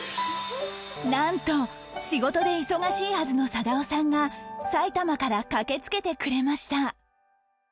なんと仕事で忙しいはずの貞雄さんが埼玉から駆け付けてくれました